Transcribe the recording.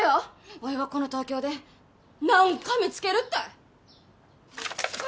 おいはこの東京で何か見つけるったい